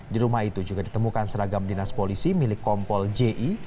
di rumah itu juga ditemukan seragam dinas polisi milik kompol ji